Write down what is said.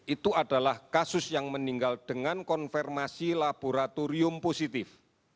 itu adalah kasus yang meninggal dengan konfirmasi laboratorium positif